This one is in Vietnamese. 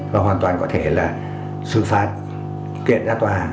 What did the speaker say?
và hoàn toàn có thể là xử phạt kiện ra tòa